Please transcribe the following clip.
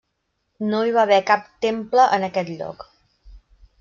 No hi va haver cap temple en aquest lloc.